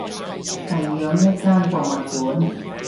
係養一間博物館